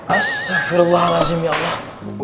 astagfirullahaladzim ya allah